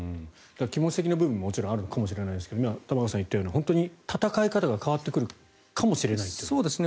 気持ち的な部分ももちろんあるのかもしれませんが玉川さんが言ったように戦い方が変わってくるかもしれないということですか。